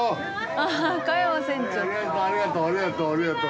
ありがとうありがとう。